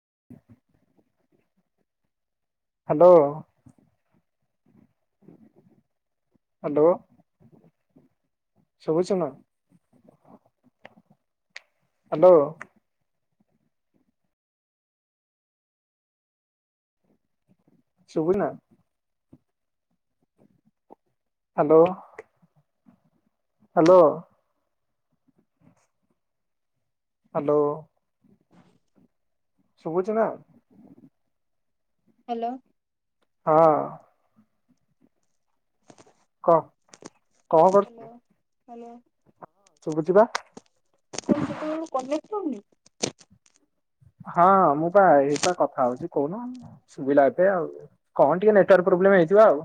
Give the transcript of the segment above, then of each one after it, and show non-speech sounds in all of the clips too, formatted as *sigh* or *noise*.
*inaudible* Hello. Hello ଶୁଭୁଚନା। Hello. ଶୁବିଲା। Hello. Hello. Hello. ଶୁବୁଚି ନା। ହାଲୋ। ହଁ। କ? କଁ କରୁଥିଲୁ? ହାଲୋ। ଶୁଭୁଛି ବା କଣ ସେତେବେଳୁ କମେ *inaudible* ହଁ ମୁଁ ପା ଏଇପା କଥା ହଉଛି କହୁନୁ ସୁବିଲା ଏବେ ଆଉ କଣ ଟିକେ ନେଟୱାର୍କ ପ୍ରୋବ୍ଲେମ ହେଇଥିବ ଆଉ।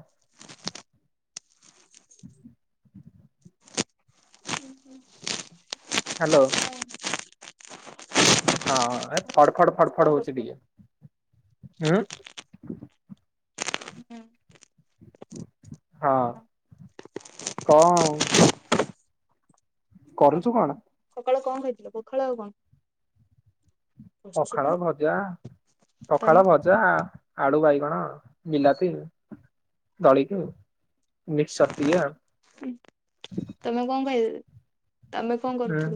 *inaudible* ହାଲୋ। ହଁ ହେତେ ଫଡ୍ କଲ୍ ଫଡଫଡ ହଉଛି କଟିଗଲା। ଟିକେ। ହୁଁ। *inaudible* ହଁ କନ କରୁଚୁ କଣ? ସକାଲୁକଣ ଖାଇଥିଲ ପଖାଳ ଆଉ କଣ? ବସିଛି ପା ପଖାଳ ଭଜା ତମେ ପଖାଳଭଜା ଆ। ଆଳୁ ବାଇଗଣ ବିଲାତି ଦଳିକି ମିକ୍ସଚର ଟିକେ। ତମେ କଣ ଖାଇ ତମେ କଣ ହୁଁ କରୁଥିଲ?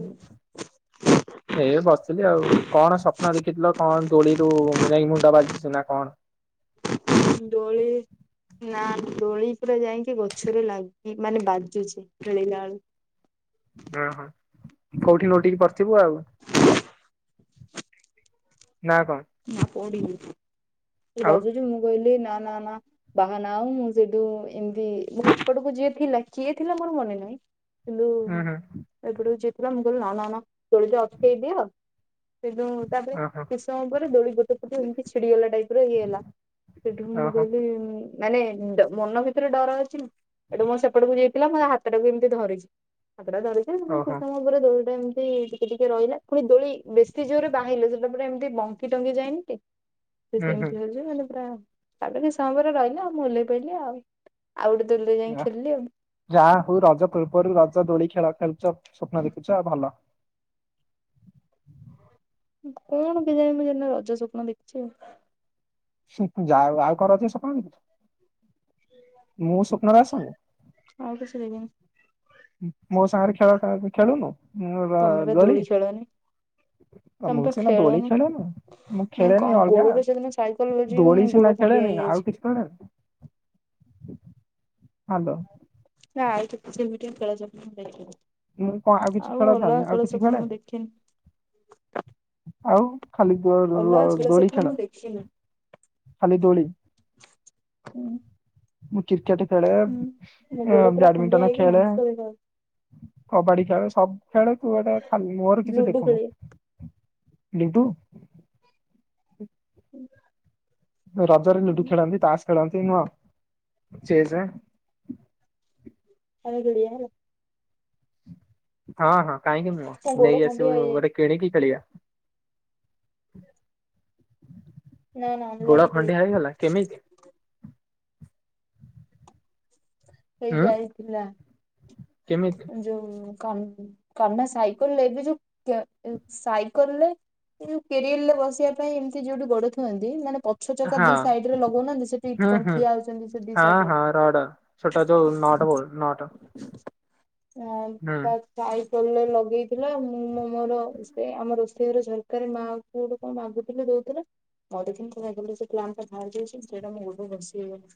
ଏଇ ବସିଲି ଆଉ କଣ ସ। କଣ ଦେଖିଥିଲେ କଣ ଦୋଲିରୁୁ ଯାଇ ମୁଣ୍ଡ ବାଜିଚୁ ନା କଣ? ଦୋଳି ନା ଦୋଳି। ପୁରା ଯାଇକି ଗଛରେ ଲାଗ୍ ଏଇ ମାନେ ବାଜୁଛି ଖେଳିଳାକୁ। ଅ ହଁ କୋଉଠି ନୋଉଟିକି ପଡଥିବୁ ଆଉ। ନା କଣ ନା ପୋଡିନି ତୁ ଆଉ ବାଜୁଚୁ ମୁଁ କହିଲି ନା ନା ନା ବାହାନା ଆଉ ମୁଁ ସେଠୁ ଏମତି ମୋ ଏପଟକୁ ଯିଏ ଥିଲା କିଏ ଥିଲା ମୋର ମନେ ନାହିଁ। ହୁଁ *unintelligible* ହୁଁ ଏପଟକୁ ଯେ ମୁଁ କହିଲି ନା ନା ନା ଦୋଳିଟା ଅଟକାଇଦିଅ। *unintelligible* ଏଇ ଓହୋ ଗୋଟେ ପଟୁ ଏମିତି ଛିଡିଗଲା ଟାଇପର ହେଇଗଲା ସେଇଠୁ ମୁଁ ଓହୋ କହିଲି ମାନେ ଡ଼ ମନ ଭିତରୁ ଡର ଅଛି ଏଠୁ ମୁଁ ଏପେକୁ ଯାଇି *unintelligible* ମୋ ହାତ ଟାକୁ ଏମିତି ଧରିଛି। ଏପଟେ ଧରିଛି ଓହୋ *unintelligible* ଦୌ ଏମିତି ଟିକେ ଟିକେ ରହିଲା ପୁଣି ଦୋଳି ବେଶୀ ଯୋରେ ବାହିଲେ ସେଟା ପୁରା ଏମିତି ବଙ୍କ ଟଙ୍ଗା ଯାଇନି କି? ସେ ହୁଁ ହୁଁ। ସେମତି ହଉଛି ମାନେ ପୁରା ଆଉ ଟିକେ ସମୟ ପରେ ରହିଲା ଆଉ ମୁଁ ଓଲେଇ ପଇଲିି ଆଉ। ଆଉ ଗୋଟେ ଦୋଳିରେ ଯାଇ ୟା ଖେଳିଲି ଆଉ ଯାହା ହଉ ରଜ ପୂର୍ବରୁ ରଜ ଦୋଳି ଖେଳ ଖେଳୁଛ। ସ୍ୱପ୍ନ ଦେଖୁଛ ଭଲ। କଣ *unintelligible* ଯେ ରଜ ସ୍ୱପ୍ନ ଦେଖିଛି ଆଉ। ଯାଆ ହଉ ଆଉ କଣ ରଜ ସ୍ୱପ୍ନ ଦେଖୁଛୁ। ମୋ ସୋ *unintelligible* ଆଉ କିଛି ଦେବିନି। ମ ମୋ ସାଙ୍ଗରେ ଖେଳ ଫେଳ ଖେଳୁନୁ। ମୁଁ ଏବା ତମେ ବା ଗଳି ଦୋଳି ଖେଳନି ତମେ ମୁଁ ବା ସିନା ଦୋଳି ଖେଳନି ଖେଳେନି ମୁଁ ଖେଳେନି କଣ ଅଲଗା ଗୋଡରେ ସେଦିନ ସାଇକେଲ ବଜେଇ ଦୋଳି ମୋ ସିନା ଗୋଡ ଖଣ୍ଡିଆ ଖେଳେନି ଆଉ ହେଇଯାଇଛି। କିଛି ଖେଳେ। ହଲୋ। ନାଇ କିଛିବି ଟିକେ *unintelligible* ମୁଁ କଣ ଆଉ କିଛି ଖେଳଥାନ୍ତିି ଆଉ କିଛି ଖେଳେ? ମୁଁ ଦେଖିନି। ଆଉ। ଖାଲି ଅଲଗା ଦୋର ଦୋଳି ସ୍ୱପ୍ନ ଖେଳ ମୁଁ ଦେଖିନି। ଖାଲି ଦୋଳି। ହୁଁ ମୁଁ କିର୍ କେଟ୍ ଖେଳେ ହୁଁ ମୋ ଗୋଡ ପୁରା ଖଣ୍ଡିଆ ବ୍ୟାଡମିଣ୍ଟନ ହେଇକି ଖେଳେ ମାଂସ ଦେଖାଯାଉଛି କବାଡି ଖେଳେ *inaudible* ଖେଳେ କୁଆଟା ଖାଲି ମୋର କିଛି ଲୁଡୁ ଦେଖୁନୁ। ଖେଳିବା। ଲିଟୁ। ହୁଁ। ରଜରେ ଲୁଡୁ ଖେଳନ୍ତି ତାସ୍ ଖେଳନ୍ତି ନୁହ ଚେସ୍ ଆଇ ଗିଡିଆ ହେଲା। ହଁ ହଁ। କାହିଁକି ମୋ ମୁହଁ ଗୋଡ ନେଇ ଖଣ୍ଡିଆ ଆସିବୁ ହେଇଯାଇଛି ଗୋଟେ କିଣିକି ଖେଳିବା। ନା ନା ଅନଲାଇନ ଗୋଡ ଖେଳିବା ଖଣ୍ଡିଆ ହେଇଗଲା କେମିତି? ହୁଁ ହେଇଯାଇଥିଲା। କେମିତି ଯୋଉ। କମେ ସାଇକେଲ ନେଇକି ଯୋଉ ସାଇକେଲରେ କିଣିଲେ ବସିବା ପାଇଁ ଏମିତି ଯୋଉଠି ଗୋଡ଼ ଥିଆନ୍ତି ମାନେ ପଛ ଚକା ହଁ ଦି ସାଇଡ ରେ ଲଗଉନାହାନ୍ତି ସେଠି ହ କଣ ହୁଁ ଠିଆ ହଉଛନ୍ତି ସେ ଦି ହଁ ସାଇଡ ରେ ହଁ ରଡା ଛୋଟା ଯୋଉ ନଟ ବୋଲ୍ଟ ନଟ ହଁ ହୁଁ ତ ଯାଇ ଲଗେଇଥିଲା ମୁଁ ମ ମୋର ସେ ଆମ ରୋଷେଇ ଘର ସରକାରୀ ମା କ ଗୋଟେ କଣ ମାଗୁଥିଲେ ଦଉଥିଲା ମୋ ଦେଖିନି କଣ ସେ ପ୍ ଟା ବାହାରିଛି ସେଇଟା ମୁଁ *unintelligible* ବସି ହେଇଗଲା।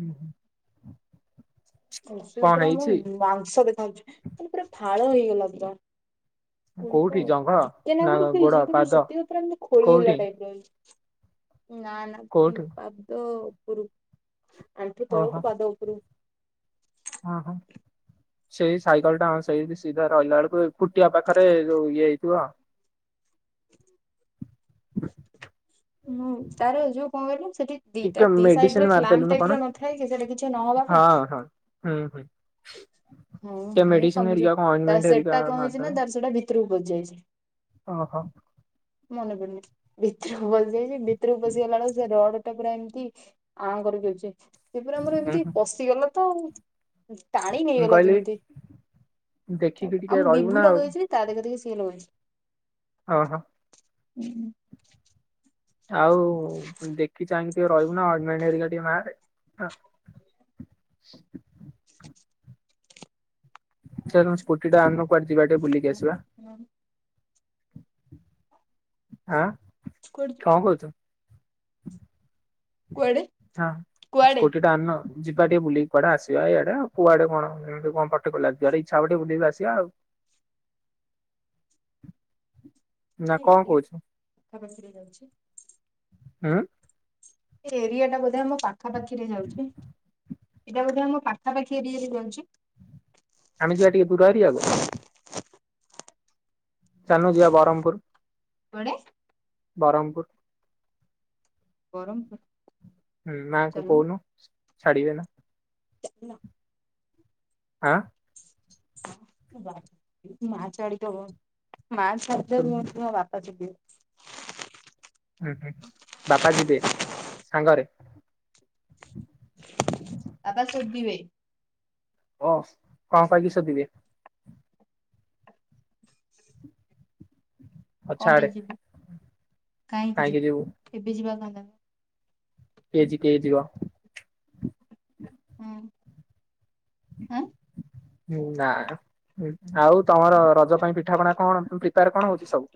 ହୁଁ ହୁଁ। କୃଷି ଉପରେ ମୁଁ ହେଇଛି ମାଂସ ଆଜା ତାଲେ ପୁରା ଫାଳ ହେଇଗଲା ତ ଗଡ କୋଉଠି ଜଙ୍ଘ ନା ଟିକେନାଗରୁ ଗୋଡ ଫିଇଛି କିନ୍ତୁ ପାଦ ସେତିକି ଉପରେ ଆମତି ଖୋଳି ହେଲା କୋଉଠି ଟାଇପ ର ହେଇଚି। ନା ନା କୋଉଠି ପାଦ କୁରୁ ଆଣ୍ଠୁ ଥଳୁ କ ପାଦ ଉପରୁ ହ ହଁ ସେଇ ସାଇକେଲ ଟା ଆମ ସେଇ ରହିଲା ବେଳକୁ ଫୁଟିବା ପାଖରେ ଯୋଉ ଇଏ ହେଇଥିବ ଆ ହୁଁ ତାର ହେଇ ଯୋଉ କିଲୁ ସେଠି ଦିଟା ଟିକେ ଦି ମେଡିସିନ ସାଇଡରେ୍ ମାରିଦେଲୁନୁ କଣ ଟାଇପ ର ନଥାଏ କି ସେଠା କିଛି ନହବା ହଁ ପାଇଁ। ହଁ ହୁଁ ହୁଁ ହଁ ସେ ହେ ମେଡିସିନ କମିଯିବ ହେରିକା କଣ ତ ଅଏଣ୍ଟମେଣ୍ଟ ହେରିକା ସେଟା କଣ ହେଇଛି ନା ମାରିଦେବେ। ତାର ସେଟା ଭିତ *unintelligible* ଓହୋ ମନେ ପଡ଼ନି ଭିତ୍ରକୁ ଗଲେ ତ ଭିତରୁକୁଁ ବସିଆ ଠୁଁ ସେ ରଡ୍ ଟ ପୁରା ଏମିତି ଆଉ ଘର ବି ଅଛେ। ସେପରେ ଆମର ହୁଁ ଏମିତି ହୁଁ ପଶିଗଲା। ତ। ଟାଣି ମୁଁ ହେଇଗଲା କହିଲି ଯେମିତି ତାପ ଦେଖିକି ଟିକେ ଆ ମୁ ରହିବୁ ନା ବିଭୁ ଆଉ। ଲଗେଇଥିଲି ତା ଦେଖ ଦେ। *unintelligible* ହଁ ହଁ। ହୁଁ। ଆଉ ଦେଖି ଚାହିଁକି ଟିକେ ରହିବୁ ନା ଅରିକା ଟିକେ ନାରେ *inaudible* ଚାଲୁନୁ ସ୍କୁଟି ଟା ଆନୁଣୁ କୁଆଡେ ଯିବା ଟେ ବୁଲିକି କୁଆଡେ ଆସିବା? ଯିବୁ? ହାଁ। କଣ କହୁଛୁ? କୁଆଡେ *inaudible* ହଁ କୁଆଡେ ସ୍କୁଟି ଟା ଆଣନ। ଯିବା ଟିକେ ବୁଲିକି କୁଆେ ଆିବା ଇଆଡେ ଆଉ କୁଆଡେ କଣ କଣ ପଠ ପ ଯିବାେ ଇଚ୍ଛା ଟିକେ ବୁଲିକି ଆସିବା ଆଉ ନା କଣ କହୁଛୁ *inaudible* ଉଁ ଏରିଆଟା ବୋଧେ ଆମ ପାଖାପାଖିରେ ଯାଉଛି ଏଇଟା ବୋଧେ ଆମ ପାଖାପାଖି ଏଠି ଯିରହଛି? ଆମେ ଯିବା ଟିକେ ଦୂର ଏରିଆ କୁ? ଚାନୁ ଯିବା ବରଂପୁର। କୁଆଡେ? ବାରମପୁର କରମ୍ ହୁଁ ମାଙ୍କୁ କୋଉନ? ଛାଡ଼ିିବେ ନା। ନା। ଆଁ। ବା ମା ଛାଡ଼ିଦବ ମା ଛାଡି ତୁ- ଦବ ମୋ ବାପା ଯିବେ। ହୁଁ ହୁଁ ବାପା ଯିବେ ସାଙ୍ଗରେ? ବାପା ସୋଦିବେ। ଓଃ କଣ କହିକି ସୋଦିବେ? ହଉ କଣ ପାଇଁ ଛାଡେ ଯିବୁ କାହିଁକି ଯିବୁ କେବେ ଯିବା କ କେଜି କେଜିି ବ ହୁଁ ଉଁ ହୁଁ ନା। ହଁ ଆଉ ତମର ରଜ ପାଇଁ ପିଠାପଣା କଣ ପ୍ରିପାର କଣ ହଉଛି ସବୁ?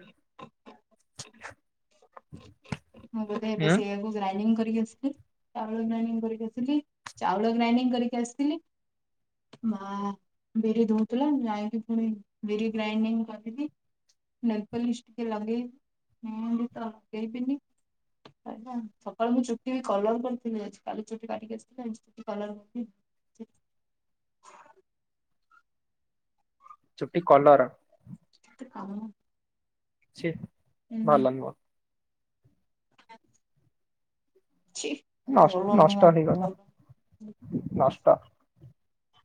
ମୁଁ ବୋଧେ ଏବେ ହୁଁ ସେଇଆକୁ ଗ୍ରାଇ *unintelligible* ତ ଗେଇବିନି ସକାଳୁ ମୁଁ ଚୁଟି ବି କଲର କରିଥିଲି ଆ କାଲି ଚୁଟି କାଟିକି ଆସିଥିଲି ଚ କଲର କରି *inaudible* ଚୁଟି କଲାର *inaudible* ଛ ଭଲ ହୁଁ ଲଙ୍ଗୁ ଛି ନଷ୍ଟ ଭଲ ନୁହଁ ନଷ୍ଟ ହେଇଗଲା ଭଲ ନଷ୍ଟ ତ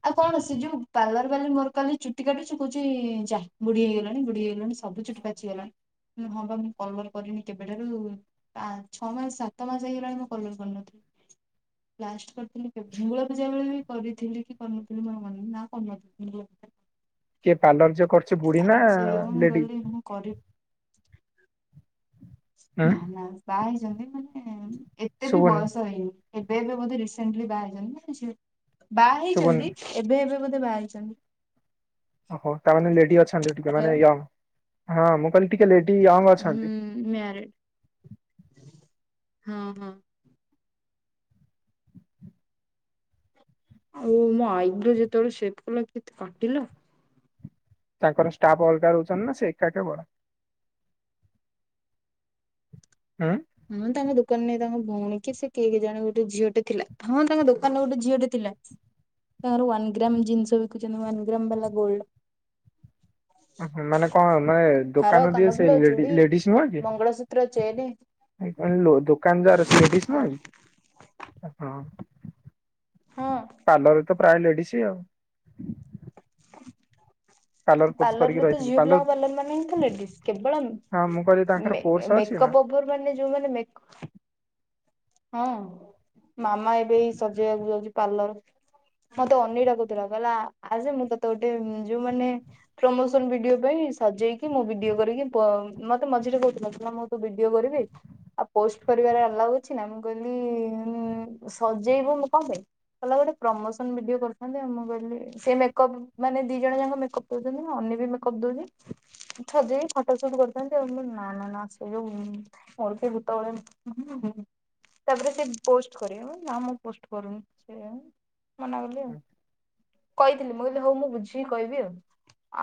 ଆଉ କଣ ଅ ସେ ଯୋଉ ପାାର କାଲି ମୋର କାଲି ଚୁଟି କାଟୁଛି କହୁଛି ଯା ବୁଢୀ ହେଇଗଲାଣି ବୁଢୀ ହେଇଗଲାଣି ସବୁ ଚୁଟି ପାଚିଗଲାଣି ହଁ ବା ମୁଁ କଲର କରିନି କେବେଠାରୁ ଛଅ ମାସ ସାତ ମାସ ହେଇଗଲାଣି ମୁଁ କଲର କରିନଥିଲି ଲାଷ୍ଟ କରିଥିଲିବେଙ୍ଗଳ ପୂଜା ବେଳେ ବି କରିଥିଲି କି କର ନା କ କିଏ ପାର୍ଲର ଯ କରୁଚ ବୁଢୀ ନା ଆଉ ସେଇଆକୁ ମୁଁ ଲେଡି କହିଲି ମୁଁ କରିବି ହୁଁ ନା ନା କାଇ ମାନେ ଏତେ ବି ଶୁଭୁନି ବୟସ ହେଇନି ଏବେ ଏବେ ବୋଧେ ରିସେଣ୍ଲି ବାହା ହେଇଛନ୍ତି ବା ଶୁଭୁନି ହେଇଛନ୍ତି ଏବେ ଏବେ ମେ କେତେ ବାହାରଇଛନ୍ତିଛନ୍ତି ଓହୋ ତାମାନୋନେ ଲେଡି ଅଛନ୍ତି ଟିକେ ହ୍ୟାଲୋ। ମାନେ ୟଙ୍ଗ ହଁ ମୁଁ କ ିକେ ଲେଟି ଆ ହୁଁ ଅଛନ୍ତି ମ୍ୟାରେଡ ହଁ ହଁ ଆଉ ମୋ ଆଇଗୁ ଯେତେବେଳେ ସେଫ କଲା କେତେ କାଟିଲ ତାଙ୍କର ଷ୍ଟାଫ ଅଲଗା ରହୁଛନ୍ତି ନା ସୋକ ବଡ ହଁ ତାମେ ଦୁଖ ଦୋକାନ ତାଙ୍କ ଭଉଣୀ ସେ ଜଣେ ଗୋଟେ ଝିଅଟେ ଥିଲା ହଁ ତାଙ୍କ ଦୋକାନରେ ଗୋଟେ ଝିଅଟେ ଥିଲା ତାଙ୍କର ଗ୍ରାମ ଜିନିଷ ବିକୁଛନ୍ତି ଗ୍ର ବାଲା ଗୋ ଓ ହ ମାନେ କଣ ନେ ହାର, ଦୋକାନ ଯି ସେ କାନଫୁଲ, ଚୁଡ଼ି, ଲେଡିଜ ନୁହଁ ମଙ୍ଗଳସୂତ୍ର, ଚେନ୍ କି ଦୋକାନ ଦାର ସେ ଲେଡିଜ ନ ହଁ ଆପଣ ହଁ ପାର୍ଲରରେ ତ ପ୍ରାୟ ଲେଡିଜ ଆଉ କୋର୍ସ ପାର୍ଲର କରିକି ରେ ତ ରହିଥିବି ଝିଅ ପିଲାଙ୍କ ପାର୍ଲର ମାନେ ହିଁ ତଡି କେବଳ ହଁ ମୁଁ କହିଲି ତାଙ୍କର କୋର୍ସ ଅଛି ନା? ମେକପ ମାନେ ଯୋଉମାନେ ହଁ ମାମା ଏବେ ସଜେଇବାକୁ ଯାଉଛି ପାର୍ଲର ମତେ ଅନିଟା କହୁଥିଲା କହିଲା ଆ ମୁଁ ତତେ ଗୋଟେ ଯୋଉ ମାନେ ପ୍ରମୋସନ ଭିଡିଓ ପାଇଁ ସଜେଇକି ମୋ ଭିଡିଓ କରିକି ମତେ ମଝିରେ କହୁଥିଲା ମୁଁ ତ ଭିଡିଓ କରିବି ଆଉ ପୋଷ୍ଟ କରିବ ହ କିଛି ନା ମୁଁ କହିଲି ସଜେଇବୁ ମୁଁ କେ କହିଲ ଗୋଟେ ପ୍ରମୋସନ ଭିଡି କରିୁଥାନ୍ତି ଆଉ ମୁଁ କହିଲି ସେ ମେକପ୍ ମାନେ ଦି ଜଣ ଯାକ ମେକ ଦଉଛନ୍ତି ନା ଅନ ବି ମେକ ଦଉଛି ସଜେଇି ଫଟୋ ସୁଟ କରିଥାନ୍ତିଉ ସେ ଯୋଉ ମଳ ଭୂତବେଳେ ତାପରେ ସେ ପୋଷ୍ଟ କର ନା ମୁଁ ପୋଷ୍ଟ କରୁନି ସେ ମନା କଲି ଆଉ ହୁଁ କହିଥିଲି ମୁଁ କହିଲି ହଉ ମୁଁ ବୁଝିକି କହିବି ଆଉ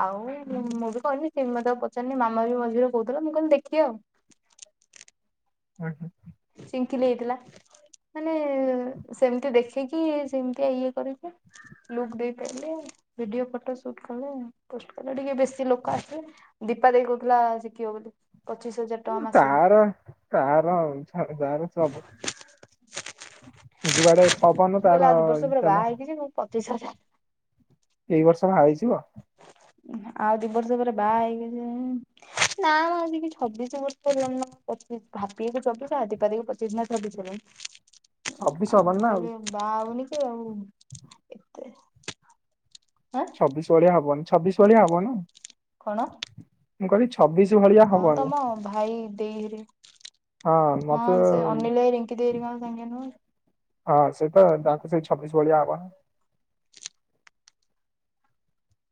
ଆଉ ମୁଁ ବି କହନି ସେ ମତେ ପଚାରନି ମାମା ବି ମଝିରେ କହୁଥିଲା ମୁଁ କହିଲି ଦେଖିବି ଆଉ ହୁଁ ହୁଁ ଚିଙ୍କିଲି ହେଇଥିଲା ମାନେ ସେମିତି ଦେଖିକି ସେମିତି ଇଏ କରିକି ଲୁକ୍ ଦେଇାର ଭିଡିଓ ଫଟୋ ସୁଟ କଲେ କଲେ ଟିକେ ବେଶୀ ଲୋକ ଆସିଲେ ଦୀପା ଦେଇ କହୁଥିଲା ଶିିବ ବୋଲି ପଚିଶ ହଜାର ଟଙ୍କା ମାସକୁ। ମୁଁ ତାର ତାର ହୋ ତାର ସବୁ ଯୁଆଡେ ପବନ ମୁଁ ତାର କହିଲ ଆଉ ଦି ବର୍ଷ ପରେ ଚାଲ ବାହା ହେଇକି ମୁଁ ପଚିଶ ହଜାର- ଏଇ ବର୍ଷ ବାହା ହେଇଯିବ। ଆଉ ଦି ବର୍ଷ ପରେ ବାହା ହେଇକି ନା ଆି ଛବିଶ ବର୍ଷ ହେ ପଚିଶ ଭାପିକୁ ଛବିଶ ଆ ଦିପା ଦେବାକୁ ପଚିଶ ମତେ ଛବିଶ ହେଲାଣି। ଛବିଶ ଆଉ ହବନି ନା ମୁଁ କହିଲି ବାହା ହୋବୁନି। *unintelligible* ତେ ଛବିଶ ଭଳିଆ ହବନି। ଛବିଶ ଭଳିଆ ହବ ନା କଣ? ମୁଁ କରି ହଁ ତମ ଭାଇ ଦେଇ ହେରିକା ହଁ ସେ ଅନିଲ ଭାଇ ରିଙ୍କି ଦେଇ ହେରାକା ସାଙ୍ଗିଆ ନୁହେଁ ହଁ ସେଇଟା କି? ତାଙ୍କୁ ସେଇ ଛବିଶ ଭଳିଆ ହବଣି।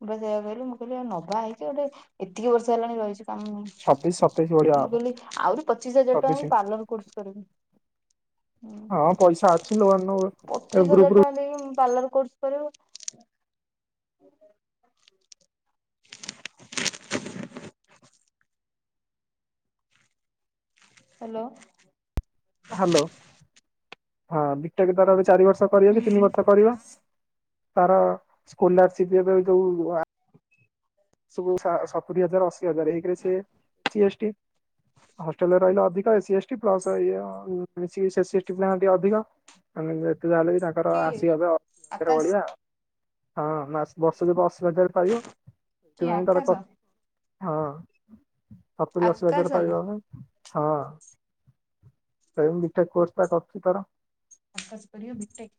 ମୁଁ ପା ସେୟା କହିଲି ମୁଁ ପା କହିଲି ନବା ଆଇଚି ଗୋଟେ ଏତିକି ବର୍ଷ ହେଲାଣି ରହିଚୁ। ଉଁ ଛବିଶ ସତେଇଶ ଭଳିଆ ମୁଁ ହବ କହିଲି ଆହୁରି ପଚିଶ ହଜାର ଛବିଶ ଟଙ୍କାରେ ପାର୍ଲର କୋର୍ସ କରିବି। ହୁଁ ହଁ ପଇସା ଅଛି ଲୋନରୁ ପଚିଶ ଏଇ ହଜାର ଟଙ୍କା ଗ୍ରୁପରୁ ଦେଇକି ମୁଁ ପାର୍ଲର କୋର୍ସ କରିବ। *inaudible* ହାଲୋ। ହ୍ୟାଲୋ ହଁ ବିଟେକ ତ କଲେ ଚାରି ବ ର୍ଷ କରିବ କି ହୁଁ ତିନି ବର୍ଷ କରିବ। ତାର ସ୍କୋଲାରସିପ୍ ଏବେ ଯୋଉ ଆ ସୁ ସା ସତୁରି ହଜାର ଅଶି ହଜାରେ ହେଇକି ସିଏ ସି ଏ ଷ୍ଟି ହେଷ୍ଟେଲରେ ରହିଲେ ଅଧିକି ଏସି ଏସଟି ଅଧିକ। ତାହେଲେ ବି ତାଙ୍କର କିଏ ଆସିବ ସେ ଅଶିହଜାର ଆକାଶ ଭଳିଆ ଆଉ। ହଁ ମା ବର୍ଷକେ ଅଶିହଜାରେ ପାଇବ। କିଏ ସେଥିପାଇଁ ତାର କ ଆକାଶ ହଁ। ସତୁରି ଆକାଶ ଅଶିହଜାର ନା ପାଇବା ଆଗ। ହଁ ଏମ୍ ବିଟେକ କୋର୍ସଟ କରୁଚି ତାର। ଆକାଶ କରିବ ବିଟେକ୍।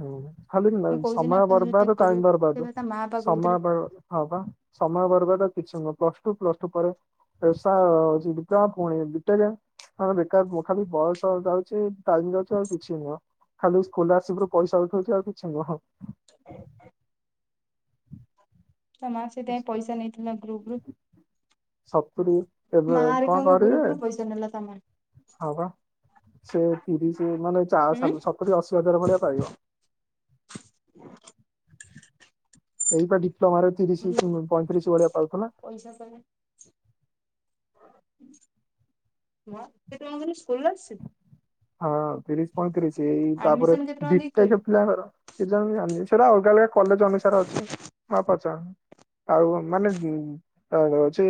ହୁଁ। ଖାଲି ମୁଁ କହୁଛି ନା ସମୟ ଆକାଶ ବିଟେକ୍ ବର୍ବାଦ ଟାଇମ କରିବ ବରବାଦ ସେ ବା ତା ମା ପା ସମୟ କହୁଥିଲେ ପା ହଁ ସମୟ ବର୍ବାଦ ଆଉ କିଛି ନୁହେଁ ପ୍ଲସଟୁ ପରେ ଏସା ହୋଉଚି ଡିପ୍ଲୋମା ପୁଣି ବିଟେକ ହଁ ବେକାର ଖାଲି ବୟସ ଯାଉଚି ଆଉ କିଛି ନୁହଁ ଖାଲି ସ୍କୋଲାରସି୍ ରୁ ପଇସା ଉଠୋଉଚି ଆଉ କିଛି ନୁହଁ। ତା ମା ସେଇଥିାଇଁ ପଇସା ନେଇଥିଲା। ବରବର ସତରୁୁ ଏବେ କଣ କରିବେ ଗ୍ରୁପ ରୁ ପଇସା ନେଲା ତା ମା ହ କଣ ସେ ତିରିଶ ମାନେ ସତୁରି ଅଶୀ ହଜାର ଭଳିଆ ପାଇବ। ଏଇପଟି ତମର ଉଁ ତିରିଶ ପଇଁତିରିଶ ଭଳିଆ ପାଉଥ ନା ପଇସା କହିଲା ମା ସେ ତମ ସ୍କୁଲ ଆଛି। ହଁ ତିରିଶ ପଁତିରିଶ ସେଇ ତାପରେ ଆଡମିସନ କେତେ ଟଙ୍କା ଦେଇକି ବିଟଟା କରିବ ଖଥିଲା ଘର କେ ଜଣ ଜା ସେଟା ଅଲଗା ଅଲଗା କଲେଜ ଅନୁସାରେ ଅଛି ମା ପଚ ଆଉ ମାନେଉଛି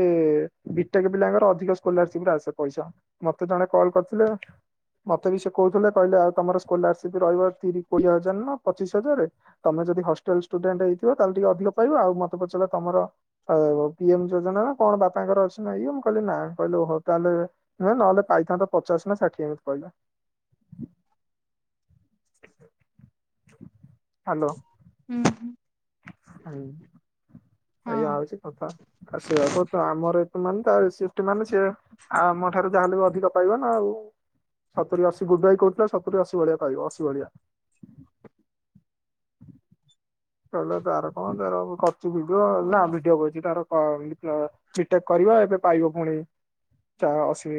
ବିଟକ ପିଲାଙ୍କର ଅଧିକ ସ୍କଲସିପ ଆସେ ପଇସା ମତେ ଜଣେ କଲ କରିଥିଲେ। ମତେ ବି ସେ କହୁଥିଲେ କହିଲେ ଆଉ ତମର ସ୍କଲାରସିପ ରହିବ ତି କୋଡିଏ ହଜାର ନା ପଚିଶ ହଜାରରେ ତମେ ଯଦି ହଷ୍ଟେଲ ଷ୍ଟୁଡେଣ୍ଟ ହେଇଥିବ ତାହେଲେ ଟିକେ ଅଧିକ ପାଇବା ଆଉ ମତେ ପଚାରିଲ ତମ ପିଏମ ଯୋଜନା ନା କଣ ବାପାଙ୍କର ଅଛି ନା ହେଇ ମୁଁ କହିଲି ନା କିଲେ ଓହୋ ତାହେଲେ ନୁହେ ନହେଲେ ପାଇଥାନ୍ତତା ପଚାଶ ନା ଷାଠିଏ କହ ହ୍ୟାଲୋ। ହୁଁ ହୁଁ। ଆଇ ଏଇୟଆ ହଁ ହଉଛି କଥା ଆ ସେଆ କ ତ ଆମର ମାନେ ତ ସିଷ୍ଟି ମାନେ ସିଏ ଆମ ଠାରୁ ଯାହାେଲେ ବି ଅଧିକ ପାଇବ ନା ଆଉ ସତୁରିୀ ଅଶୀ ଗୁବାଇ କହୁଥିଲେ ସତୁରିୀ ଅଶି ଭଳିଆ ପାଇବ ଅଶି ଭଳିଆ କହିଲେ ତାର କଣ ତାର ଖର୍ଚୁ ନା ଭଲ ଭିଡିଓ କରଛି ତାର। ିଟେକ୍ କରିବା ଏବେ ପାଇବ ପୁଣି ଅଶୀ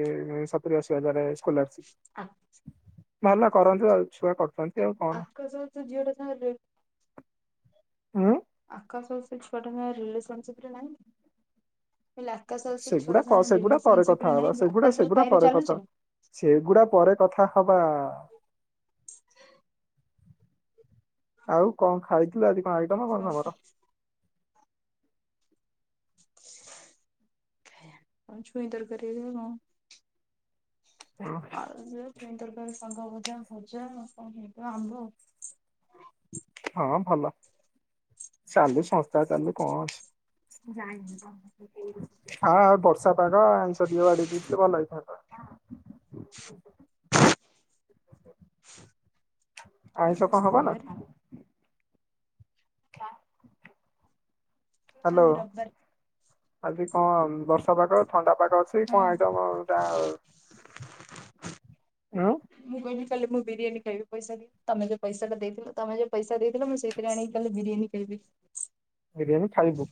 ସତୁରରି ଅଶି ହଜାର ସ୍କଲାରସିପ୍ ନେଲା କରନ୍ତୁ ଆଉ ଛୁଆ କରନ୍ତୁ। ଆଖ ସ ତ ଜିଡ ଚା ହୁଁ। ଆକାଶ ସେ ଛୁଆ ଟଙ୍କ ରିଲେସନହିଁ ସେଗୁଡା ସେଗୁଡା ପରେ କଥା ରେ ହବା ନାହିଁ ସେଗୁଡା ଆକାଶର ସେଗୁଡା ସାହିରେ ପରେ ଚାଲୁଛି କଥା ନା ସେଗୁଡା ପରେ କଥା ହବା। ଆଉ କଣ ଖାଇଥିଲୁ ଆଜି? ଆଇଟମା କରନା ବର *unintelligible* ଛୁଇ ତର ଘରେ କଣ? ଆଉନ୍ ଦରକାର ସାଙ୍ଗ ଭଜା ଭଜା କଣ ଆମ୍ବ ହଁ ଭଲ ଚାଲୁ ସଂସ୍ାରେ ଚାଲୁ କଣ ଅଛି ହଁ ବର୍ଷା ପାଗ ଆଇଷ ବାଡି ଦେଇଥିଲେ ଭଲ ହେଇଥାତା। ଆଇ ଆଜି ସ ପା କ ହବ ନା ଶନିବାରେ *unintelligible* କଲ ବିି ରବର ଆଜି କଣ ବର୍ଷା ପାଗ ଥଣ୍ଡା ପାଛି ସମ ହଁ ଏଟାଟା ହଁ। ମୁଁ କହିଲି କାଲି ମୁଁ ବିରିୟାନ ଖବି ପଇସା ଦ ତମେୋଉ ପଇସାଟା ଦେଇଥିଲ ତମେ ଯୋଉ ପଇସା ଦେଇଥିଲାଥିଲ ମୁଁ ସେଥିରେ ଆଣିକି କାଲି ବିରିୟାନୀ ଖାଇବି। ବିରିୟାନୀ ଖାଇବୁ।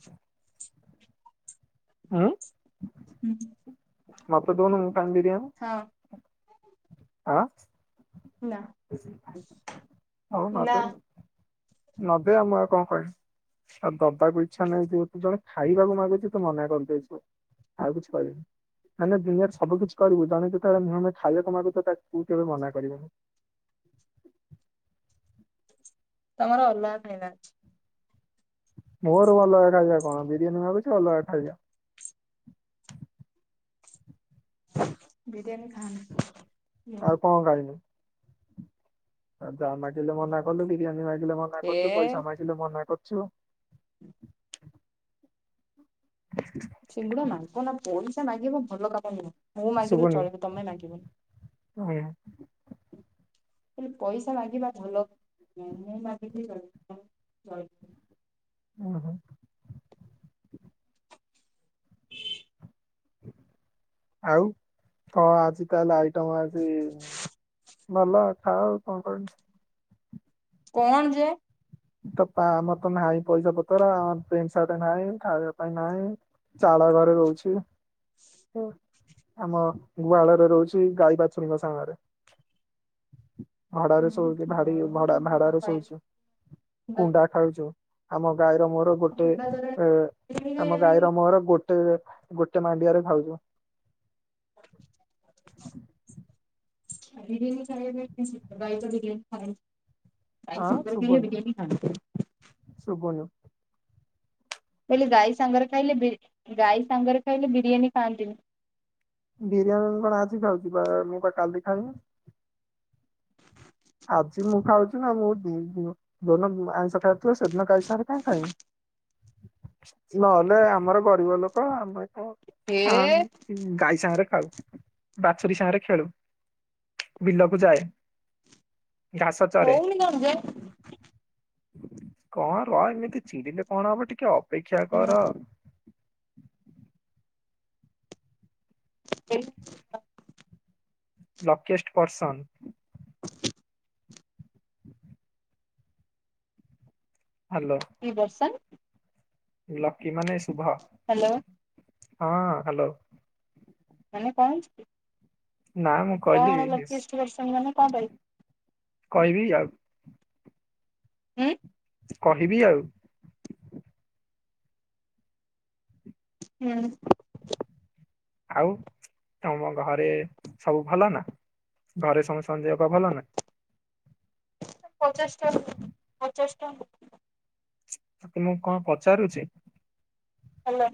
ଆଁ, ହୁଁ *inaudible* ମତେ ଦଉନମୁଁ ହଁ ବିରିୟାନ। ହଁ ହଁ, ନା ନା ହଉ, ନଦେ ଆଉ ମୁଁ ଆଉ କଣ କହିଁ ଆଉ ଦବାକୁ ଇଛା ନାହିଁ ତୁ ଜଣେ ଖାଇବାକୁ ମାଗୁଛୁ ତୁ ମନା କରିଦେଇଛୁ ଆଉ କିଛି କରିବିନି ମନେ ଦୁନିଆରେ ସବୁ କିଛି କରିବୁ ଜଣେ ଖାଇବାକୁ ମାଗୁଛ ତାକୁ ତୁ କେବେ ମନାକରିବୁନି। ତମର ଅଲଗା *unintelligible* ମୋର ଭଲ ଖାଇବା କଣ ବିରିୟାନୀ ଭାବୁଛି ଅଲଗା ଖାଇ ଯା ବିରିୟାନୀ ଖାନି। ଆଉ କଣ ଖାଇବି। *inaudible* ଯା ମାଗିଲେ ମନା କଲୁ ବିରିୟାନୀ ମାଗିଲେ ମନା ଏ କରୁଚୁ ପଇସା ମାଗିଲେ ମନା କରୁଚୁ। ଯୁ, ଚିଙ୍ଗୁଡ଼ା ନା ମାଂସ? ପଇସା ମାଗିବ ଭଲ କାମ ନୁହେଁ। ମୁଁ ମାଗିଲି ଶୁଭୁନି ଚଳିବ ତମେ ମାଗିବନି। ହୁଁ ହେଲେ ପଇସା ମାଗିବା ଭଲନୁହଁ ମୁଁ ମାଗିଥିଲି ଚଳିବ ଓ ହୋ, ଆଉ କଣ ଆଜି ତାହେଲେ ଆଇଟମ ଆଜି, ଭଲ ଖାଅ କଣ କହିବି, କଣ ଯେ, ତ ଆମର ତ ନାହିଁ ପଇସା ପତର ଆମ ପେଣ୍ଟ ସାର୍ଟ ନାହିଁ ଖାଇବା ପାଇଁ ନାହିଁ ଚାଳ ଘରେ ରହୁଛି ଆମ ଗୁହାଳରେ ରହୁଛି ଗାଈ ବାଛୁରିଙ୍କ ସାଙ୍ଗରେ। ଭଡାରେ ଶୋଉଛି ଭାଡି ଭଡା ଆଉ ଭାଡାରେ ଖାଇ ଶଉଛୁ କୁଣ୍ଡା ଖାଉଚି। ଆମ ଗାଈର ମୋହର ଗୋଟେ କୁଣ୍ଡା ତୋରାଣି ବିରିୟାନୀ ଆମ ଖାଇବା ଗାଈର ମୋହର ଗୋ ଗ ଗୋଟେ ମାଣ୍ଡିଆରେ ଖାଉଛୁ *inaudible* *unintelligible* ଖାଇାଇ ତ ଖାଇ ଖାଇ ଆଁ ସୁନ୍ଦର ବି ଶୁଭୁନି ବିରିୟାନ ଖା ଶୁଭୁନି ହେଲେ ଗାଈ ସାଙ୍ଗରେ ଖାଇଲେ ଗାଈ ସାଙ୍ଗରେ ଖାଇଲେ ବିରିୟାନୀ ଖାଆନ୍ତିନି। ବିରିୟାନୀ କଣ ଆଜି ଖାଉଛି ମୁଁ ବା କାଲି ଖାଇବି। ଆଜି ମୁଁ ଖାଉଛି ନା ମୁଁ ଯଉଦିନ ଆଇଁଷ ଖାଇଥିବ ସେଦିନ ଗାଈ ସାଙ୍ଗରେ କାହିଁକି ଖାଇବି ନହେଲେ ଆମର ଗରିବ ଲୋକ ଆମେ କଣ ହେ ହଁ ଗାଈ ସାଙ୍ଗରେ ଖାଉ ବାଛୁରୀ ସାଙ୍ଗରେ ଖେଳୁ ବିଲକୁ ଯାଏ। ଘାସ ଚରେ। ହଉନି କଣ ଯେ? କଣ ର ଏମିତି ଚିଡିିଲେ କଣ ହବ ଟି ଟିକେ ଅପେକ୍ଷା ମୁଁ କର। ଏ ଲକେଏଷ୍ଟ ପର୍ସନ। *inaudible* ହ୍ୟାଲୋ କି ବର୍ଷନ୍? ଲକି ମାନେ ଶୁଭ ହାଲୋ। ହଁ ହାଲୋ। ମାନେ କଣ ହେଇଚି କି? ନା ମୁଁ କଣ କହିଲି ଲକିଏଷ୍ଟ ପର୍ସନ ମାନେ କଣ ପାଇଁ? କହିବି ଆଉ। ହୁଁ? କହିବି ଆଉ। ହୁଁ। ଆଉ ତମ ଘରେ ସବୁ ଭଲ ନା? ଘରେ ସ ସମସ୍ତଙ୍କ ଦେହ ପାଅ ଭଲ ନା? ପଚାଶ ଟା ପଚାଶ ଟା ତ ତୁମକୁ କଣ ପଚାରୁଛି? ହଲୋ।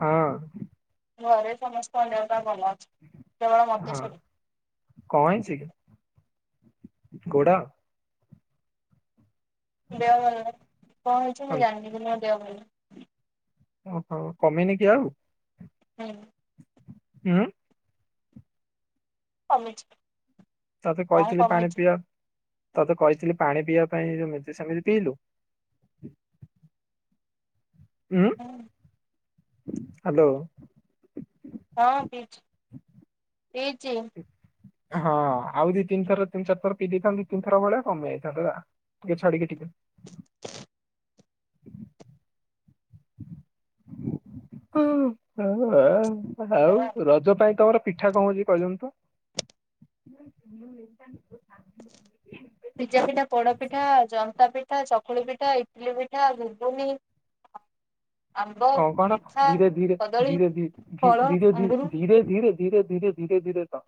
ହଁ। ଘରେ ସମସ୍ତଙ୍କ ଦ ଦେହ ଭଲ ଅଛି କେବଳ ମତେ ହଁ ଛାଡିକି। କୋଡ଼ା? ଦେହ ଭଲ ନାହିଁ। କଣ ହେଇଚି ଅଁ, ମୁଁ ଜାଣିନି ମୋ ଦେହ ଭଲ ନାଇଁ। ଓହୋ କମିନି କି ଆଉ? ହୁଁ। ହୁଁ। କମିଚି। ତତେ କହିଥିଲି ପାଣି ପିଆବା ତତେ କହିଥିଲି ପାଣି ପିଇବା ପାଇଁ ଯେମିତି ସେମିତି ପିଇଲୁ। ଉଁ। ହାଲୋ। ହଁ ପିଇଚି ପିଇଚି। ହଁ ଆଉ ଦି ତିନିଥର ତିନି ଚାର ଥର ପିଇ ଦେଇଥାନ୍ତୁ, ଦି ତିି ଥର ଭଳିଆ କମେଇ ଯାଇଥାନ୍ତତା ଟିକେ ଛଡିକି ଟିକେ। *inaudible* ହଁ ହ। ପିଇଦବା। ଆଉ ରଜ ପାଇଁ ତମର ପିଠା କଣ ଅଛି କହିଲୁନି ତ। ପିଜା ପିଠା ପୋଡ ପିଠା ଜନ୍ତା ପିଠା ଚକୁଳି ପିଠା ଇଟଲି ପିଠା ଘୁଗୁନି। ଆମ୍ବ, କଣ କଣ ମିଠା, ଧୀରେ ଧୀରେ କଦଳୀ, ଧୀରେ ଫଳ, ଧୀରେ ଧ ଅଙ୍ଗୁରୁ, ଧୀରେ ଧୀ ଧୀରେ ଧୀରେ ଧୀରେ। ଧୀରେ ଧୀରେ ଧୀରେ ତ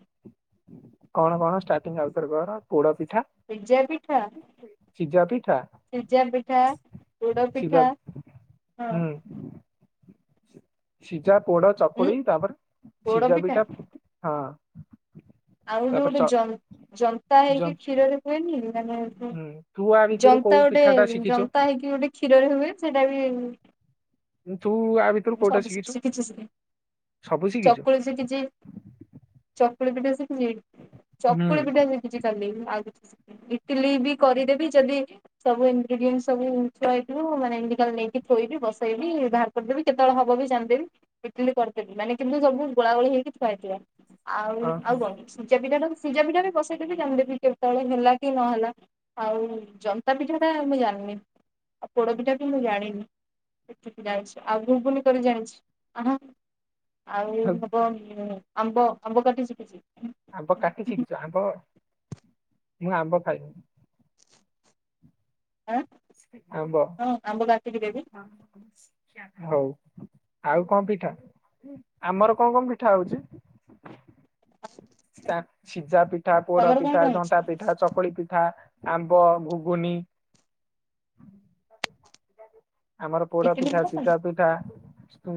କଣ କଣ ଷ୍ଟାର୍ଟିଂ ଅବସର କର ପୋଡ ପଠା ପିଜା ପିଠା ସିଝା ପିଠା ସିଜା ପିଠା ପୁଡ ପିଠା ସିଝା ହଁ। *unintelligible* ଯା ପୋଡ ଉଁ ଚକୁଳି ତାପରେ ସିଝା ପିଠା ହଁ ଆଉ ବି ତାପରେ ଗୋଟେ ଚ ଜ ଜନ୍ତା ଯ ହେଇକି କ୍ଷୀରରେ ଖୁଏନି। ମାନେ ହୁଁ ତୁ ଆ ଭିତରୁ ଜନ୍ତା କୋଉ ଗୋଟେ ପିଠା ଟା ଶିଖିଛୁ ଜନ୍ତା ହେଇକି ଗୋଟେ କ୍ଷୀରରେ ହୁଏ। ସେଟା ବି ତୁ ଆ ଭିତରୁ କୋଉଟା ସବୁ ଶିଖିଛୁ ଶିଖିଛି। ସବୁ ଶିଖିଛୁ? *unintelligible* ହୁଁ ହୁଁ ଚକୁଳି ପିଠା ଶିଖିଛି ଖାଲିି ଆଉ ଇଟିଲି ବି କରିଦେବି ଯଦି ସବୁ ଇନଗ୍ରିଡିଏଣ୍ଟ ସବୁ ଆଇଥିବ ମାନେ ଏଇତିା ନେଇକି ଥୋଇବି ବସେଇବି ବାହାର କରିଦେବି କେତେବେଳେ ହବ ବି ଜାଣିଦେବ ଇଟିଲି କରିଦେବି ମାନେ କିନ୍ତୁ ସବୁ ଗୋଳା ଗୋଳି ହେଇକି ଥୁଆଇଥିଲା। ଆଉ ଓହୋ ଆଉ କଣ? ପି ସିଜା ପିଠା ବି ବସେଇକବ ବି ଜାଣି ଦେେବି କେତେବେଳେ ହେଲା କି ନହେଲା ଆଉ ଜନ୍ତା ପିଠା ଟା ମୁଁ ଜାଣିନି ଆଉ ପୋଡ ପିଠା ବି ମୁଁ ଜାଣିନି ଏଠ ଜାଣିଛି ଆଉ ଘୁଗୁନ କରି ଜାଣିଚି। ଆଉ ହେବ। ଆମ୍ବ ଆମ୍ବ କାଟିଚି କିିଛି ଆମ୍ବ କାଟିଚି କିଛୁ ଆମ୍ବ ମୁଁ ଆମ୍ବ ଖାଇବି। ଆଁ ଆମ୍ବ ହଁ ଆମ୍ବ କାଟିକି ଦେବି ହଉ ଆଉ କଣ ପିଠା ଆମର କଣ କଣ ପିଠା ହଉଚି। ସିଝା ପିଠା ପୋଡ ତମର କଣ ପିଠା କଣ ଘଣ୍ଟା ହେଇଛି ପିଠା ଚକୁଳି ପିଠା। ଆମ୍ବ ଘୁଗୁନି ହୁଁ। ଆମର ପୋଡା ଇଟିଲି ପିଠା କଣ ଶୀତା ପିଠା।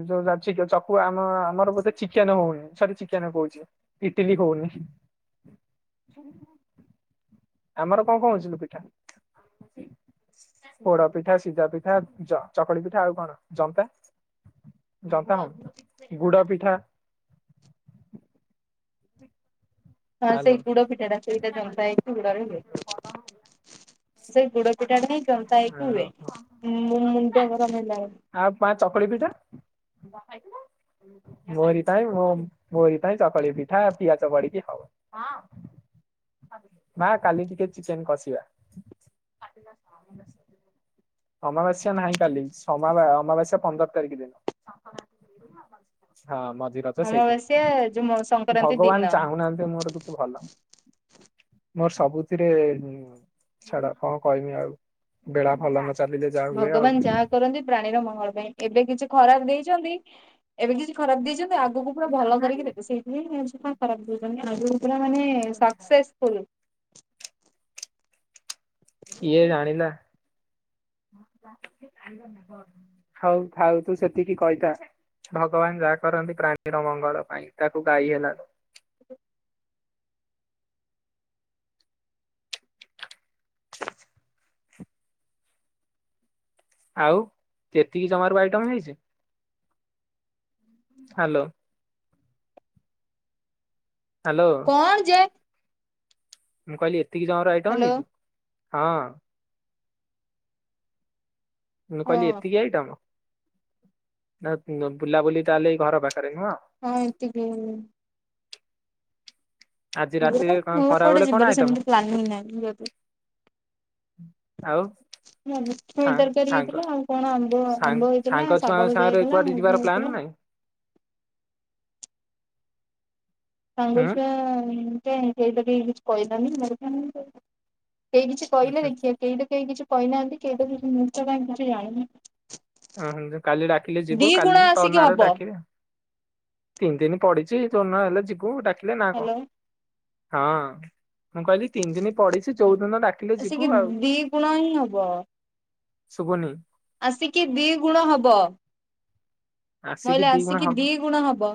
ଯୋଉ ଚକ ଆମ ଆମର ବୋଧେ ଚିକେନଜ ହଉନି ସରି ଚିକେନ କହୁଛି ଇଟିଲି ହଉନି। ଆମର କଣ କଣ ହ ପିଠା ପୋଡ ପିଠା ସିଝା ପିଠା ଚକୁଳି ପିଠା ଆଉ କଣ ଜନ୍ତା ଜନ୍ତା ହ ଗୁଡ ପିଠା। ହଁ ସେଇ ହାଲୋ ଗୁଡ ପିଠା ଟା ସେଇଟା ଜନ୍ତା ହେଇକି ଗୁଡରେ ହୁଏ, ସେଇ ଗୁଡ ପିଠାଟା ହିଁ ଜନ୍ତା ହେଇକି ହୁଏ, ମୁଣ୍ଡ ଗରମ ହେଲା। ଆଉ ମା ଚକୁଳି ପିଠା ମୋରି ପାଇଁ ମୋରି ତାଇ ଚକଳି ପିଠା ପିଆ ଚ ପଡି କି ଖବ ମା କାଲି ଟିକେ ଚିକେନ କଷିବା। ଅମାବାସ୍ୟା ନାହିଁ କାଲି ଅମାବାସ୍ୟା ପନ୍ଦର ତାରିଖ ଦିନ ହଁ ମ। ରଛ ସେଇଦିନ ଅମାବାସ୍ୟା ଯୋଉ ସଂକ୍ରାନ୍ତି ଭଗବାନ ଦିନ। ଚାହୁଁନାହାନ୍ତି ମୋର କିଛି ଭଲ। ମୋର ସବୁଥିରେ ଛଡା କଣ କହିବି ଆଉ ବେଳା ଭଲ ନ ଚାଲିଲେ ଯାହା ହୁଏ ଆଉ ଭଗବାନ ଯାହା କରନ୍ତି ପ୍ରାଣୀର ମଙ୍ଗଳ ପାଇଁ। ଏବେ କିଛି ଖରାପ ଦେଇଛନ୍ତି ଏବେ କିଛି ଖରାପ ଦେଇଛନ୍ତି ଆଗକୁ ପୁରା ଭଲ କରିକି ଦେବେ ସେଇଥିାଇଁ କଣ ଖରାପ ଦଉଛନ୍ତି ଆଗକୁ ପୁରା ମାନେ ସକ୍ସେସଫୁଲ ଇଏ ଜାଣିିଲ ହଉ ଥାଉ ତୁ ସେତିକି କହିଥା ଭଗବାନ ଯାହା କରନ୍ତି ପ୍ରାଣୀର ମଙ୍ଗଳ ପାଇଁ ତାକୁ ଗାଇ ହେଲାନ *unintelligible* *unintelligible* ଆଉ ଯେତିକି ଜମାରୁ ଆଇଟମ ହେଇଛି ହ୍ୟାଲୋ ହ୍ୟାଲୋ କଣ ଯେ ମୁଁ କାଲି ଟତିକି ଜଣର ଆଇଟମ୍ ହ୍ୟାଲୋ ହେଇଯ ହଁ ମୁଁ ହଁ କହିଲି ଏତିକି ଆଇଟମ ନା ବୁଲାବୁଲି ତାହେଲେ ଘର କ ହଁ ଏତିକ ଆଜି ରାତିରେ କଣ ମୁଁ ଖରା କୋଉଠି ବେଳେ କଣ ଯିବାର ଆଇଟମ ସେମିତି ପ୍ଲାନିଂ ନାହିଁ ଆଉ ଯିୁ ତରକାରୀ ସାଙ୍ଗ ହେଇଥିଲା ଆଉ କଣ ଆମ୍ବ ସାଙ୍ଗ ଆମ୍ବ ହେଇଥିଲା ସାଙ୍ଗ ଶାଗ ଛୁଆଙ୍କ ଭଜା ସାଙ୍ଗରେ ହେଇଥିଲା କୁଆଡେ ଯିବାର ପ୍ଲାନ ହେଇଥିଲା ନାହିଁ। ହୁଁ ସଙ୍ଗୁଛ ସେ ସେଇଟ ଟିକ କିଛି କହିଲାନି କେଇ କିଛି ହୁଁ କହିଲେ ହୁଁ। ଦେଖିବା କେଇଟା କେଇ କିଛି କହିନାହାନ୍ତି କେ ସେ ଓ କାଲି ଡାକିଲେ ଯିବୁ ଗୁଣା କାଲି ଆସିକି ତନା ଆଡ ହବ ଡାକିଲି ତିନି ଦିନ ପଡିଚଛି ତୋ ନ ହେଲେ ଯିବୁ ଡାି ଆଥିଲେ ନା କଣ ହ୍ୟାଲୋ ହଁ ମୁଁ କହିଲି ତିନି ଦିନ ପଢିଛି ଚଉଦିନ ଡାକିଲେ ଆସିକି ଯିବୁ ଆଉ ଦି ଗୁଣ ହିଁ ହବ। ଶୁଭନି ଆସିକି ଦି ଗୁଣ ହବ ମହିଲେ ଆସିକି ଦି ଗୁଣ ହବ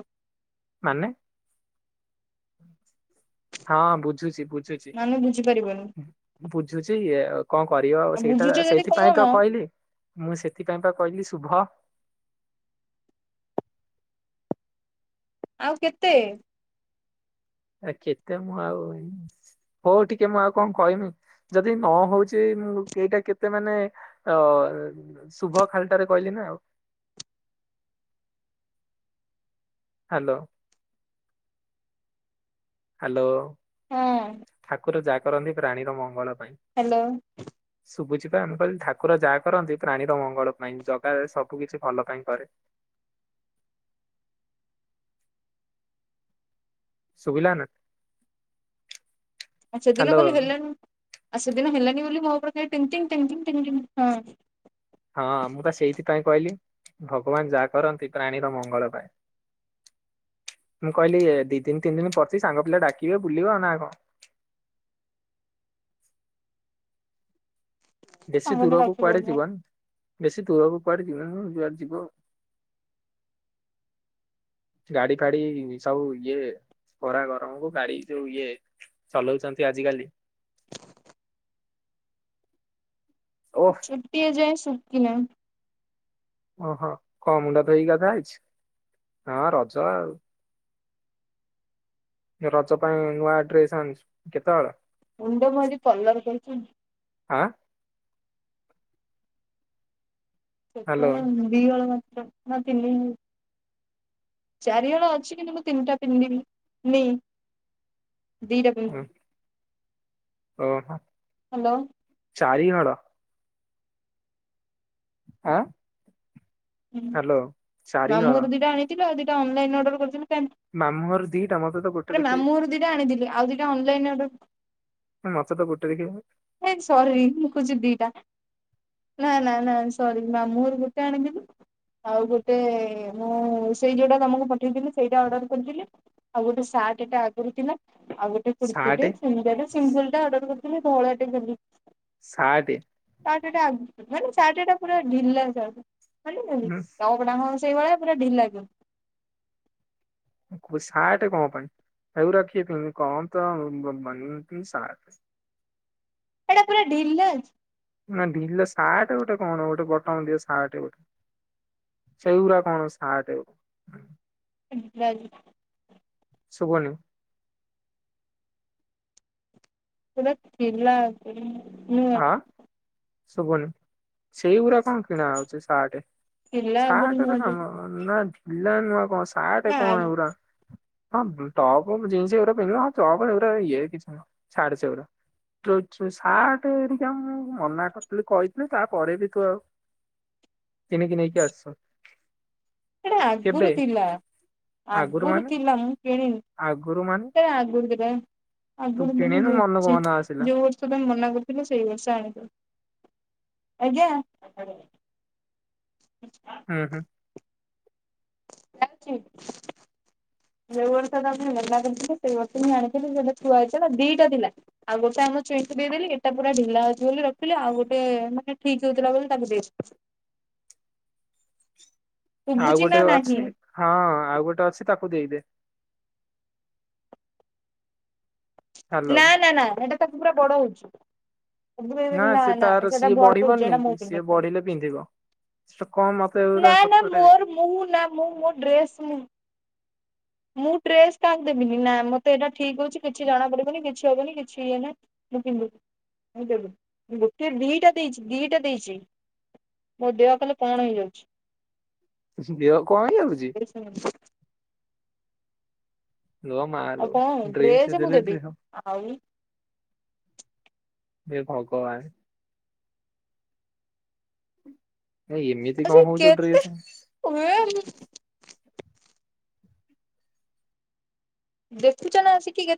ହଁ ହଁ ବୁଝୁଛି ବୁଝୁଛି ମାନେ ବୁଝିପାରିବନି। ବୁଝୁଛି କଣ କରିବ ଆଉ ସେଇଟା ବୁଝୁଛ ଯଦି ସେଇଥିପାଇଁ କଣ ତ କହିଲି ମୁଁ ସେଥିପାଇଁ ବା କହିଲି ଶଭ ଆଉ କେତେ ଆ କେତେ ମୁଁ ଆଉ ହଉ ଟିକେ ମୁଁ ଆଉ କଣ କହମି ଯଦି ନ ହଉଛି ମୁଁ ଏଇଟା କେତେ ମାନେ ଅ ଶୁଭ ଖାଲଟାରେ କହିଲି ନା ଆଉ ହ୍ୟାଲୋ। ହାଲୋ। ହଁ ଠାକୁର ଜା କରନ୍ତି ପ୍ରାଣୀର ମଙ୍ଗଳ ହ୍ୟାଲୋ। ରେ ମୁଁ କହିଲି ଠାକୁର ଯାହା କରନ୍ତି ପ୍ରାଣୀର ମଙ୍ଗଳ ପାଇଁ। ଜଗା ସବୁ କିଛି ଭଲ ପାଇଁ କରେ। ସୁଭିଲାନା? ଆଚ୍ଛା ସେଦିନ କାଲି ହେଲାନା। ଆଉ ସେଦିନ ହେଲାନି ବୋଲି ମୋ ଉପରେ ଖାଲି ଟିଙ୍ଗ ଟିଙ୍ଗ ଟିଙ୍ଗ ଟିଙ୍ଗ ହଁ ହଁ, ମୁଁ ପା ସେଇଥିପାଇଁ କହିଲି, ଭଗବାନ ଯାହା କରନ୍ତି ପ୍ରାଣୀର ମଙ୍ଗଳ ପାଇଁ। ମୁଁ କହିଲି ଏ ଦି ଦିନ ତିନି ଦିନ ପଡିଚି ସାଙ୍ଗ ପିଲା ଡାକିବେ ବୁଲିବ ନା କଣ? ହଁ ବେଶୀ ସାଙ୍ଗ ପିଲା ଦୂରକୁ କୁଆଡେ ଉଠିଲେଣି ଜୀବନ ବେଶୀ ଦୂରକୁ ଯିବାନି ଯେ ଯୁଆଡେ ଯିବ ଗାଡି ଫାଡି ସବୁ ଇଏ ଖରା ଗରମକୁ, ଗାଡି ଯୋଉ ଇଏ ଚଲଉଛନ୍ତି ଆଜିିକାଲି ଛୁଟି ଏଯାଏଁ ସ *unintelligible* ନା ଓହୋ କଣ ମୁଣ୍ଡା ଧୋଇକି ଗାଧା ହେଇଛି, ହଁ ରଜ ଆଉ। ରଜ ପାଇଁ ନୂଆ ଡ୍ରେସ୍ ଅଣଚୁ, କେତେହଳ? ମୁଣ୍ଡ ମୁଁ ଆଜି କଲର୍ କରି ଚି ଆଁ? ହ୍ୟାଲୋ କେତେହଳ ଦି ହଳ ବା। ଯମା ତିନି ହଳ, ଚାରି ହଳ ଅଛି କିନ୍ତୁ, ମୁଁ ତିନିଟା ପିନ୍ଧିବି, ନି ଦିଟା ଉଁ, ପିନ୍ଧିବି। ଓହୋ ହ୍ୟାଲୋ ଚାରି ହଳ। ଆଁ? ହୁଁ ହ୍ୟାଲୋ ଚାରି ହଳ ମାମୁଁଘର ଦିଟା ଆଣି ଥିଲା ଦିଟା ଅନଲାଇନ୍ ଅର୍ଡର୍ କରିଚି ମୁଁ। ମାମୁଁ ଘରୁ ଦିଟା ମୋତେ ତ ଗୋଟେ ଦେଖେଇ ମାମୁଁ ଘରୁ ଦିଟା ଆଣିଥିଲି ଆଉ ଦିଟା ଅନଲାଇନ୍ ଅର୍ଡର ହଁ ମୋତେ ତ ଗୋଟେ ଦେଖେଇ ହେ, ସରି, ମୁଁ କହୁଚୁ ଦିଟା ନା, ନା, ନା, ସରି, ମାମୁ ଘରୁ ଗୋଟେ ଆଣିଥିଲି। ଆଉ ଗୋଟେ ମୁଁ ସେଇ ଯୋଉଟା ତୋମକୁ ପଠେଇଥିଲି ସେଇଟା ଅର୍ଡର କରିଥିଲି। ଆଉ ଗୋଟେ ସାର୍ଟଟା ଆଗରୁ ଥିଲା। ଆଉ ଗୋଟେ କୁର୍ତ୍ତୀ ସାର୍ଟ ଟା ସେମତିଆଟା ସିମ୍ପୁଲ ଟା ଅର୍ଡର କରି ହେଲେ ଧଳା ହେ ଗଲି। ସାଟେ ସାର୍ଟ ଟା ଆଉ ମାନେ ସାର୍ଟ ଟା ପୁରା ଢିଲା ସାର୍ଟ। ହୁଁ ଟପ୍ ଟା ମୋ ସେଇଭଳିଆ ପୁରା *unintelligible* ସାଟ କଣ ପାଇଁ *unintelligible* କଣ ତ *unintelligible* ସାଟ ସେଇଟା ପୁରା ଢିଲା ଅଛି। ନା, ଢିଲା ସାର୍ଟ ଗୋଟେ କଣ, ଗୋଟେ ବଟମ ଦିଆ ସାର୍ଟ *unintelligible* କଣ ସାର୍ଟ *inaudible* ସୁବୁନି *unintelligible* ଥିଲା ହୁଁ ଆଁ ଶୁଭୁନି ସେଇଗୁଡା କଣ କିଣା ହଉଛି ସାର୍ଟ ଥିଲା ଆଗରୁ ଶାର୍ଟ ରେ ନୂଆଟେ। କାମ ନା ସାଟେ ନା କଣ ଏଉରା ହଁ ଟପ୍ ଜିନ୍ସ ଏଗୁଡା ପିନ୍ଧିଲ ହଁ ଟପ୍ ଏଗୁଡା ଇଏ କିଛି ନୁହଁ ଛାଡ ସେଗୁଡା ସାର୍ଟ ମତେ ଏଠିକ ମୁ ମନା କରିଥିଲି କହିଥିଲି ତାପରେ ବି ତୁ ଆଉ କିଣିକି ନେଇକି ଆସିଛୁ ସେଟା କେବେ ଆଗରୁ ଥିଲା ଆଗରୁ ଥିଲା ମୁଁ କିଣିନି ଆଗରୁ ମାନେ ସେଟା ଆଗରୁ ଥିଲା ତୁ ଆଗରୁ ବୋଲି କିଣିନୁ ମନକୁ ଯାଉଛି ମନ ଆସିଲା ଯୋଉ ବର୍ଷ ତମେ ମନା କରୁ ଆଜ୍ଞା ହୁଁ ହୁଁ ଯୋଉଁ ବର୍ଷ ତମେ ଲେହଙ୍ଗା କରିଥିଲେ ସେଇ ବର୍ଷ ମୁଁ ଆଣିଥିଲି ସେଟା ଥୁଆ ହେଇଥିଲା ଦିଟା ଥିଲା ଆଉ ଗୋଟେ ଆମ ଚୁଇଁ କୁ ଦେଇଦେଲି ଏଟା ପୁରା ଢିଲା ହଉଛି ବୋଲି ରଖିଲି ଆଉ ଗୋଟେ ମାନେ ଠିକ ହଉଥିଲା ବୋଲି ତାକୁ ଦେଇଥିଲି ଆଉ ଗୋଟେ ଅଛି ହଁ ଆଉ ଗୋଟେ ଅଛି ତାକୁ ଦେଇଦେ ହ୍ୟାଲୋ ନା ନା ହେଟା ତାକୁ ପୁରା ବଡ ହଉଛି ତାକୁ ନା ଦେଇଦେବି ସେ ତାର ସେଟା ସିଏ ବଡ ହଉଛି ବଢିବନି ଏଇଟା ମୁଁ କି ସିଏ ପିନ୍ଧିବି ବଢିଲେ ପିନ୍ଧିବ କଣ ମତେ ଏଗୁରା ନା ନା ସତରେ ମୋର ମୁଁ ନା ମୁଁ ମୋ ଡ୍ରେସ୍ ମୁଁ ମୁଁ ଡ୍ରେସ୍ କାହାକୁ ଦେବିନି ନା ମତେ ଏଇଟା ଠିକ ହଉଛି କିଛି ଜଣା ପଡିବନି କିଛି ହବନି କିଛି ଇଏ ନାଇ ମୁଁ ପିନ୍ଧିବି ମୁଁ ଦେବିନି ଗୋଟେ ଦିଟା ଦେଇଛି ଦିଟା ଦେଇଛି ମୋ ଦେହ ଖାଲି କଣ ହେଇଯାଉଛି ଦେହ କଣ ହେଇଯାଉୁଛି ଆଉ ମାଲୋ କଣ ଡ୍ରେସ ଡ୍ରେସ୍ ମୁଁ ଦେଲେ ଦେବି ଯେ ଆଉ ଏ ଭଗବାନ ଏ ଏମିତି ଆଜି କଣ ହଉଛୁ କେତେ ଡ୍ରେସ ଦେଖୁଛ ନା ଆଶିକି କେତେ